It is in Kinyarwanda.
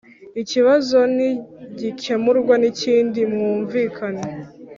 Ikibazo ntigikemurwa nikindi mwumvikane